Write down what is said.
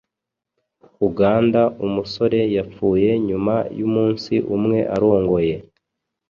Uganda Umusore yapfuye nyuma y’umunsi umwe arongoye